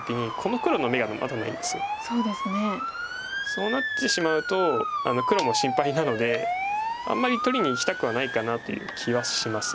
そうなってしまうと黒も心配なのであんまり取りにいきたくはないかなという気はします。